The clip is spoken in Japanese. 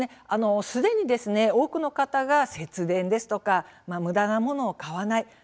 すでに多くの方が節電ですとかむだなものを買わない